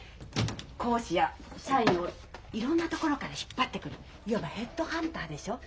講師や社員をいろんな所から引っ張ってくるいわばヘッドハンターでしょう？